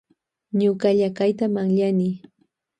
Ñukalla kayta manllani.